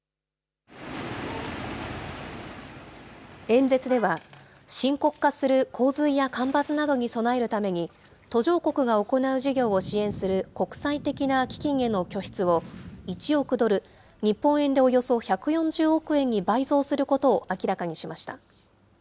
演説では、深刻化する洪水や干ばつなどに備えるために、途上国が行う事業を支援する国際的な基金への拠出を１億ドル、日本円でおよそ１４０億円に倍増することを明らかにしました。